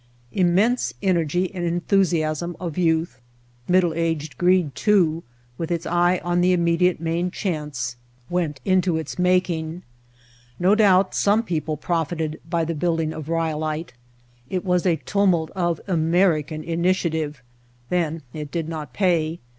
Immense energy and enthusiasm of youth, middle aged greed, too, with its eye on the immediate main chance, went White Heart of Mojave into its making. No doubt some people profited by the building of Ryolite. It was a tumult of "American initiative" — then it did not pay.